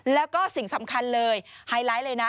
แล้วก็สิ่งสำคัญเลยไฮไลท์เลยนะ